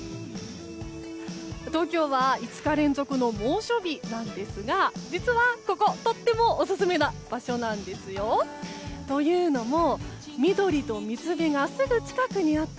東京は５日連続の猛暑日なんですが実は、とてもオススメな場所なんですよ。というのも、緑と水辺がすぐ近くにあって